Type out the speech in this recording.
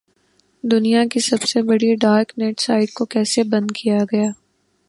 دنیا کی سب سے بڑی ڈارک نیٹ سائٹ کو کیسے بند کیا گیا؟